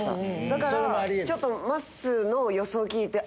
だからちょっとまっすーの予想聞いて。